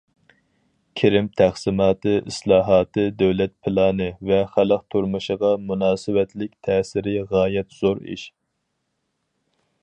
كىرىم تەقسىماتى ئىسلاھاتى دۆلەت پىلانى ۋە خەلق تۇرمۇشىغا مۇناسىۋەتلىك تەسىرى غايەت زور ئىش.